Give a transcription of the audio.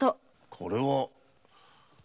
これは！